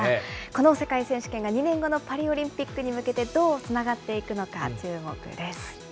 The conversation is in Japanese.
この世界選手権が２年後のパリオリンピックに向けて、どうつながっていくのか注目です。